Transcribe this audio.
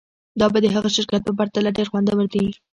دا به د هغه شرکت په پرتله ډیر خوندور وي